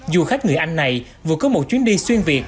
du khách người anh này vừa có một chuyến đi xuyên việt